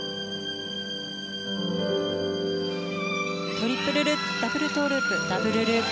トリプルルッツダブルトウループダブルループ。